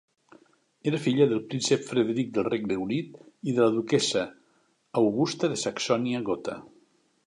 Era filla del príncep Frederic del Regne Unit i de la duquessa Augusta de Saxònia-Gotha.